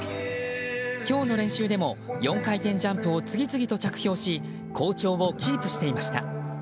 今日の練習でも４回転ジャンプを次々と着氷し好調をキープしていました。